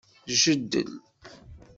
Jeddel.